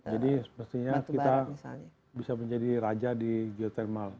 jadi sepertinya kita bisa menjadi raja di geothermal